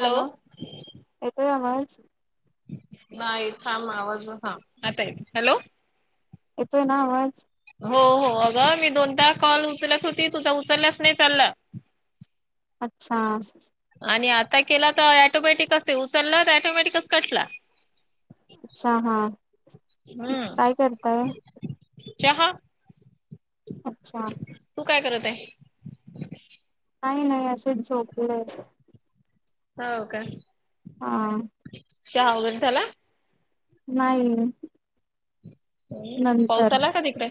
Hello येतोय आवाज. नाही थांब आवाज हा आता येत हॅलो. येतोय ना आवाज. हो हो अगं मी दोनदा कॉल उचलत होती तुझा उचलल्याच नाही चालला अच्छा आणि आता केला तर ॲटोमॅटिकच ते उचललं तर ॲटोमॅटिकच कटला अच्छा हा हम्म काय करताय चहा अच्छा तू काय करत आहे काही नाही असंच झोपलं आहे हो का? हा चहा वगैरे झाला. नाही. हम् पाऊसा नंतर आला का तिकडे?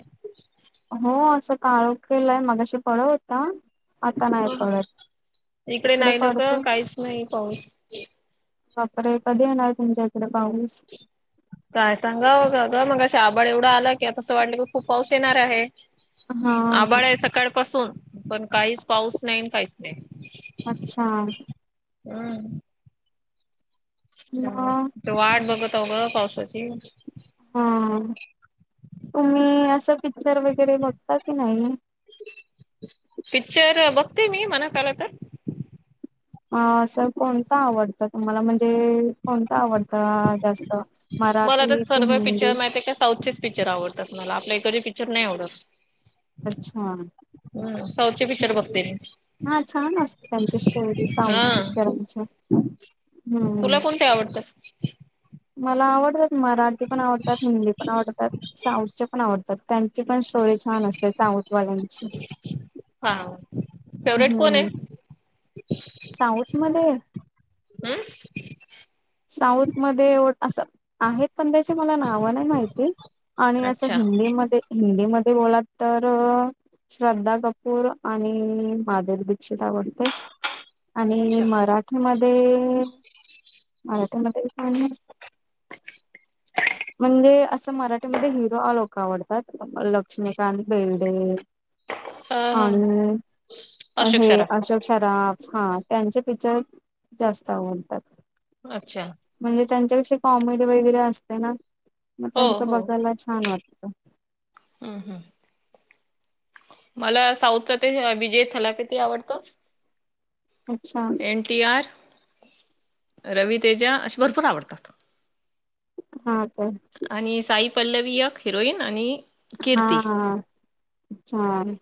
हो असं काळोखलंय मागाशी पळव होता. आता नाही पडत इकडे तिकडे नाही न का पडतो काहीच नाही पाऊस. वापर कधी येणार तुमच्या इकडे पाऊस? [inaudible] काय सांगा ग मघाशी आभाळ एवढा आला की आता असं वाटल की आता खूप पाऊस येणार आहे. हा आभाळा आहे सकाळ पासून पण काहीच पाऊस नाही काहीच नाही. अच्छा. हम्म मग वाट बघत आ ग पावसाची. हा तुम्ही असं पिक्चर वगैरे बघता की नाही? पिक्चर बघते मी मनात आला तर आ असं कोणता आवडतं तुम्हाला म्हणजे कोणत आवडतं जास्त मला तर मराठी की सर्व हिंदी? पिक्चर माहि आहे का साऊथचेच पिक्चर आवडतात मला आपल्या इकडडचे पिक्चर नाही आवडत. अच्छा हम्म साऊथचे पिक्चर बघते मी हा छान असत त्यांची स्टोरी साऊड हा पिक्चरांच्या हां तुला कोणते आवडतात? मला आवडतात मराठी पण आवडतात हिंदी पण आवडतात. साऊथच्या पण आवडतात त्यांची पण स्टोरी छान असते साऊथवाल्यांची हा फेवरेट कोण हम्म आहे साऊथ मध्ये ह साऊथ मध्ये असं आहेत पण त्याची मला नाव नाही माहिती. आणि असं अच्छा हिंदीमध्ये हिंदीमध्ये बोलात तर श्रद्धा कपूर आणि मधुरी दीक्षित आवडते. आणि अच्छा मराठीमध्ये मराठीमध्ये पण म्हणजे असं मराठीमध्ये हिरो लोक आवडतात. लक्ष्मीकांत बेर्डे. हा हा आणि अशोक हे सराफ अशोक शराफ हा त्यांचे पिक्चर जास्त आवडतात. अच्छा! म्हणजे त्यांच्याविषी कॉमेडी वगैरे असते ना मग हो त्यांचं बघायला छान वाटतं. हम् हम्! मला साउथचा ते विजय थालापती आवडतो. अच्छा! N T R, Ravi Teja असे भरपूर आवडतात. हा काय! आणि साई पल्लवी एक हिरोईन आणि हा कीर्ती हा छान!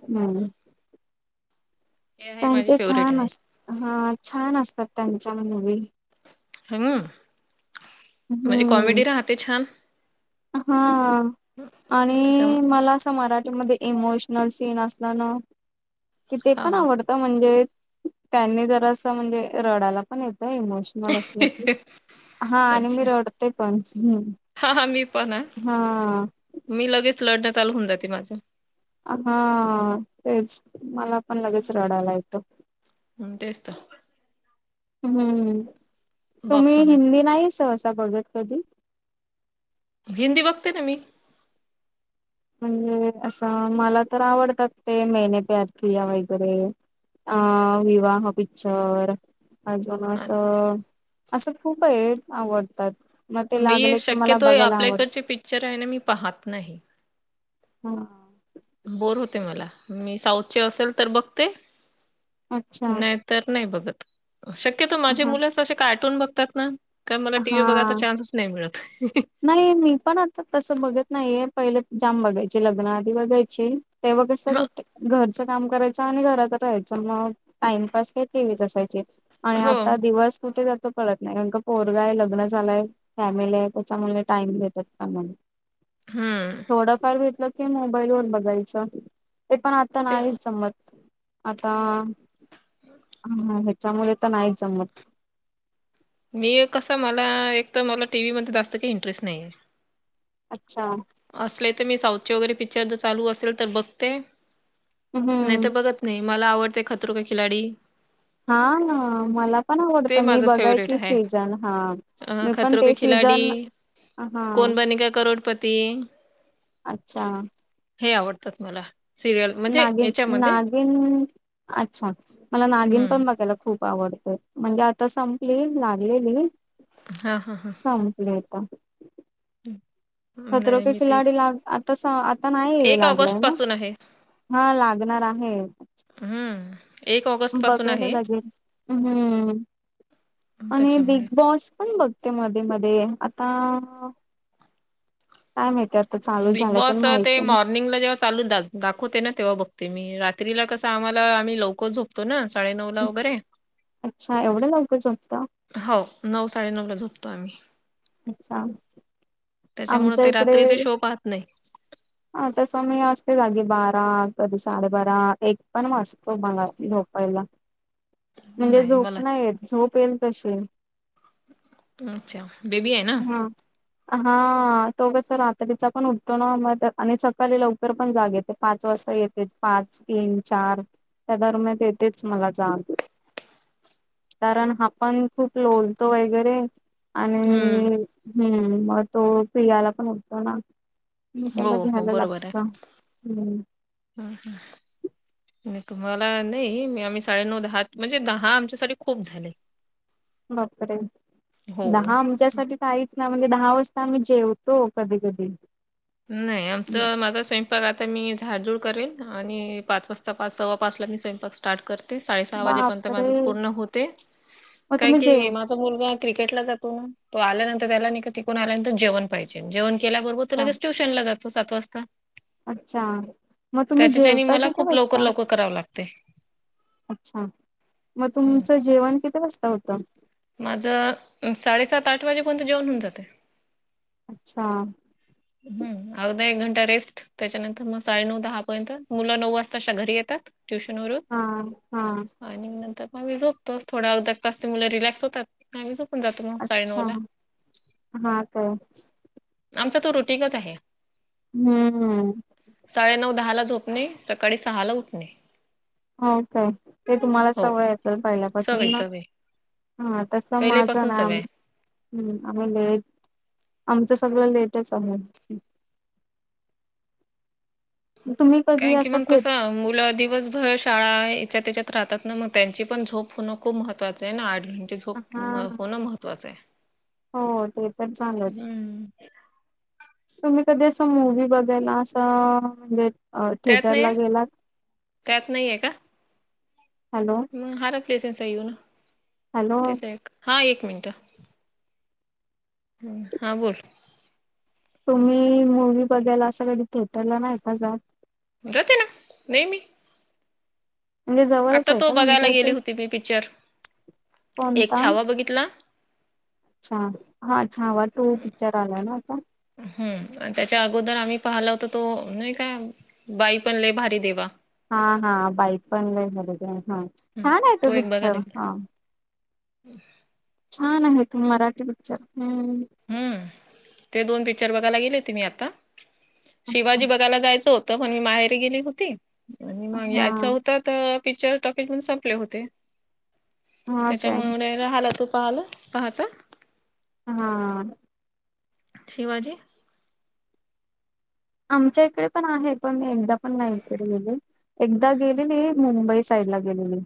हे आहे माझी त्यांचे फेवरेट छान आहे अस हा छान असतात त्यांच्या पण मूवी. म्हणजे हम्म कॉमेडी राहते छान! हा त्याच्या आणि मला असं मराठीमध्ये इमोशनल सीन असणार कि ते हा पण आवडत. म्हणजे त्यांनी जरा असं म्हणजे रडायला पण येतं इमोशन मला हा आणि मी अच्छा रडते पण. हा हा मी पण आहे, हा मी लगेच रडणं चालू होऊन जाते माझं. हा तेच मला पण लगेच रडायला येत. ह तेच तर! हम्म तुम्ही बॉक्समध्ये हिंदी नाही सहसा बघत कधी? हिंदी बघते ना मी. म्हणजे असं मला तर आवडतात ते मेने प्यारकिया वगैरे अ विवाह पिक्चर! अजून हा, असं असं खूप आहे आवडतात. मग ते बाई लागले की मला शक्यतो आहे बघायला आपल्या आवडत. इकडचे पिक्चर आहे ना मी पाहत नाही. हा! बोर होते मला, मी साऊथ चे असेल तर बघते अच्छा नाही तर नाही बघत शक्यतो माझे हा मुलंच असे कार्टून बघतात ना. करण मला टीव्ही बघायचा हा चान्स नाही मिळत. नाही मी पण आता तसं बघत नाहीये पहिले जाम बघायचे लग्न आधी बघायचे. तेव्हा कसं ह घट घरचं काम करायचं घरात राहायच मग टाइमप काय टी व्हि च असायची, आणि हो आता दिवस कुठे जातोय कळत नाही कारण पोरगा आहे लग्न झालाय फॅमिली आहे. त्याच्यामुळे टाईम भेटत का मला. हम्म! थोडंफार भेटल की मोबाईल वर बघायचं, ते पण आता होते नाही जमत. आता ह ह्याच्यामुळे तर नाही जमत. मी कस मला एक तर मला टीव्ही मध्ये जास्त काही इंटरेस्ट नाहीये. अच्छा! असले तर मी साऊथचे वगैरे पिक्चर जर चालू असेल तर बघते, नाही हम्म. तर बघत नाही मला आवडते खतरु का खिलाडी. हा ना मला पण आवडत ते मी माझं फेवरेट बघायची आहे. सीझन हा अ मी पण खतरो ते के खिलाडी सीझन हा कोण बनेगा करोडपती! अच्छा! हे आवडतात मला. सिरियल म्हणजे नागिन याच्यामध्ये नागिन अच्छा मला नागिन हम्म पण बघायला खूप खूप आवडत म्हणजे आता संपली लागलेली. हा हा हां! संपली आता. हम्. खत्रपी खिलाडी लाग आता आता नाही एक लागलाय ऑगस्ट ना. पासून आहे हा लागणार आहे. हम्. बघायला लागेल हम् आणि त्याच्यामुळे बिग बॉस पण बघ. मध्ये मध्ये आता काय माहत. बिग बॉस ते मॉर्निंगला जेव चालू द दाखवते ना तेव्हा बघते मी रात्रीला कसं आम्हाला आम्ही लवकर झोपो. तो ना साडे नऊ ला वगैर अच्छा एवढं लवकर झोपता हो नऊ साडेनऊला झपतो आम्ही अच्छा. त्याच्यामुळ ते रात्रीचे शो पाहत नाही. ह. हा तसं मी असते. जागी बारा कधी साडेबारा एक पण वाजतो मला झोपायला म्हणजे नाही झोप मला नाहीयेत. झोप येईल तशी अच्छा बेबी आहे. ना. हा हा तो कस रात्रीचा पण उठतो. ना मग आणि सकाळी लवकर पण जागेत. पाच वाजता येतेच पाच तीन चार त्या दरम्यान तेथेच मला जाणते. कारण आपण खूप लोळतो वगैरे आणि हम्म मग तो प्रियाला पण उठतो ना. म हो त्याला हो घ्यायला लागतं. हम्. हम हम. मला नाही आम्ही साडेनऊ दहा म्हणजे दहा आमच्यासाठी खूप झाले. दहा बापरे. हो त्याच्यासाठी काहीच ना म्हणजे दहा वाजता आम्ही जेवतो कधी कधी नाही. आमच माझा स्वयं. आता मी झाडजुड करेन आणि पाच वाजता पाच सव्वा पाच ला मी स्वयंपाक स करते साडे सहा वाजेपर्यंत माझ बापरे पूर्ण होते मग काय तुम्ही जेव क्रिकेटला जातो. ना तो आल्यानंतर त्याला आल्यांत जेण पाहिजे जेवण केल्याबरोबर अच्छा तुलाेस ट्युशन ला जातो सात वाजता अच्छा मग तुम्ही त्याच्या जेवता मला किती खूप लवकर वाजता लवकर कराव लागते. अच्छा मग हं. तुमचं जेवण किती वाजता होतं. माझं साडेसात आठ वाजे कोणतं जेवण होऊन जाते. अच्छा. हम अगदा एक घंटा रेस्ट त्याच्यानंतर मग साडेनऊ दहा पर्यंत मुलं नऊ वाजताच्या घरी येतात. ट्युशन वरून हा हा. आणि नंतर मग मी झोपतोस थोडा अर्घ्या तास ते मुलं रिलॅक्स होतात. नाही झपून जातो. मग साडेनऊ अच्छा ला हा काय आमचा तो रुटिकच आहे. हम्म. साडेनऊ दहा ला झोपणे सकाळी सहा ला उठणे. हो काय ते तुम्हाला हो सवय असेल. पहिल्यापासून सवय ना. सवय हा तस माझं पहिलेपासून नाम सवय हम्म आम्ही लेट आमचं सगळं लेटच आहे. तुम्ही कधी काय की असं मग थेट कस मुलं दिवसभर शाळा याच्यात त्याच्यात राहतात. ना मग त्यांची पण झोप होणं खूप महत्वाचं आहे. ना आठ हा होणं महत्त्वाचं आहे. हो ते पण चालच. हम्म. तुम्ही कधी असं मूवी बघायला असं म्हणजे अ त्यात थिएटरला नाही गेलात त्यात नाही हॅलो हार प्लेसनचा येऊ ना हॅलो तेच आहे. हा एक मिनिट ह हा बोल तुम्ही मूवी् बघायला असं कधी थिएटरला नाही का जात जाते ना नेहमी म्हणजे जवळच आता आहे तो का बघायला तुमच्या गेली इथे होती मी पिक्चर एक कोणता? छावा बघितला. अच्छा हा छावा तो पिक्चर आलाय ना आता हम् त्याच्या अगोदर आम्ही पाहिल होत. तो नाही का बाई पण ल भारी देवा हा हा बाईक पणर हा हम्म छान आहे तो पिक्चर हा हम् छान आहे तुम्ही मराठी पिक्चर हम्म हम्म ते दोन पिक्चर बघायला गेले होते मी आता अच्छा शिवाजी बघायला जायचो होत पण मी बाहेर गेली होती आणि मग हा याच्या आ पिक्चरॉक्य संपले होते हा काय त्याच्यामुळे रहालं तू पाहालं पाहाचा हा शिवाजी आमच्या इकडे पण आहे पण एकदा पण नाही इकडे गेले एकदा गेलेली मुंबई साईड ला गेलेली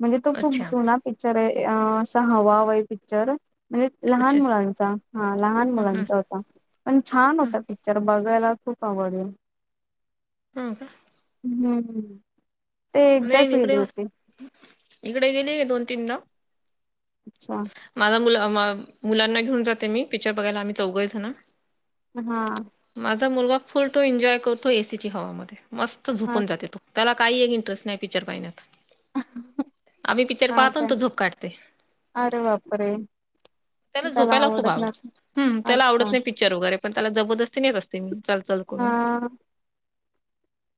म्हणजे तो खूप अच्छा सोना पिक्चर आहे अ असा हवावाय पिक्चर म्हणजे अच्छा लहान मुलांचा हा लहान हं हं मुलांचा होता पण छान हं होता प तरर बघायला खूप आवडेल हो का हम्म ते एकदाच नाही इकडे गेले होते इकडे गेले का दोन तीनदा अच्छा माझा मु मुलांना घेऊन जाते मी पिक्चर बघायला आम्ही चौघस झाण हा माझा मुलगा फुलतो एन्जॉय करतो एसीची हवा म मस्त हा झोपून जाते तो त्याला काही एक इंटरेस्ट नाही पिक्चर पाहिण्यात आम्ही पिक्चर हा पाहतो काय त झोप काढते अरे बापरे त्याला झोपायला खूप आवडत नसेल आवडतं ह त्याला अच्छा आवडत नाही प विचार वगैरे पण त्याला जबरदस्ती नाहीेत असते मी चल हा करून.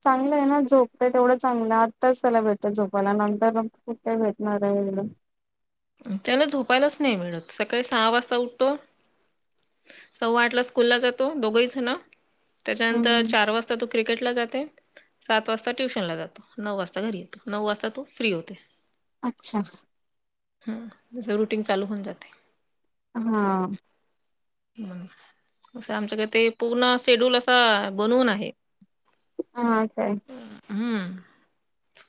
चांगलं आहे ना झोपतंय तेवढं चांगलं आत्ताच त्याला भेटतं झोपायला नंतर कुठे भेटणार आहे वेगळं त्याला झोपायलाच नाही मिळत सकाळी सहा वाजता उठतो सव्वा आठ ला स्कूल ला जातो दोघही ना त्याच्यानंतर हम्म चार वाजता तू क्रिकेटला जाते सात वाजता ट्युशन ला जातो नऊ वाजता घरी येतो नऊ वाजता तो फ्री होते अच्छा ह जस रुटीन चालू होऊन जाते हा आमच्याकडे ते पूर्ण शेड्यूल असा बनवून आहे हा काय हम्म.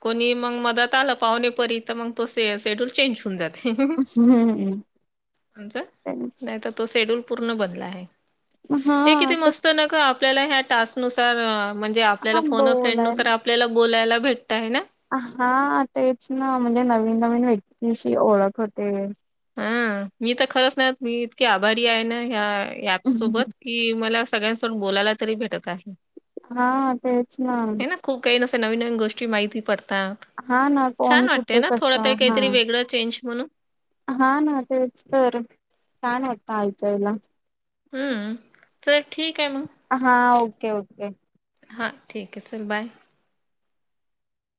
कोणी मग मदत आलं पाहणेपरी तर मग तो स शेड्यूल चेंज होऊन जात हम्म म्हणज तेच नाही तर तो शेड्यल पूर्ण बनला हा आहे किती तस मस्त न आपल्याला ह टास् नुसार म्हणजे आपल्याला हा फोन फ्रेंड बोलाय नुसार आपल्याला बोलायला भेटतय ना हा तेच ना म्हणजे नवीन नवीन व्यक्तीशी ओळख होते हं मी तर खरंच ना मी इतके आभारी आहे ना ह्या ऍप्स सोबत कि मला सगळ्यांसोड बोलायला तरी भेटत आहे. हा तेच ना. ह ना खूप काही नस नवीन नवीन गोष्टी माहिती पडता. हा ना कोण छान कुठे वाटतय ना थोडा कसं त हा काहीतरी वेगळं चेंज म्हणून हा ना तेचर छान वात आयतयला हम्म चला ठीक आहे मग हा ओके ओके. हां ठीक आहे चर बाय.